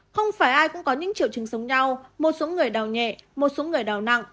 không phải ai cũng có những triệu chứng sống nhau một số người đau nhẹ một số người đau nặng